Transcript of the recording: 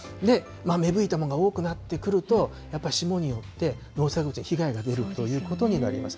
芽吹いたものが多くなってくると、やっぱり霜によって農作物に被害が出るということになります。